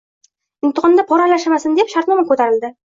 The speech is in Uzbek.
Imtihonda pora aralashmasin deb, shartnoma koʻtarildi.